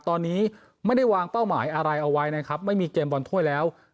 ตอนนี้ไม่ได้วางเป้าหมายอะไรเอาไว้นะครับไม่มีเกมบอลถ้วยแล้ว